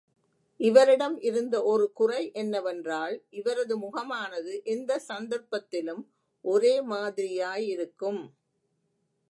இவரிடம் இருந்த ஒரு குறை என்னவென்றால், இவரது முகமானது எந்தச் சந்தர்ப்பத்திலும் ஒரேமாதிரியாயிருக்கும்.